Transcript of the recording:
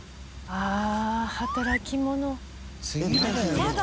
あっ働き者。